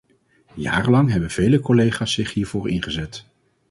Jarenlang hebben vele collega's zich hiervoor ingezet.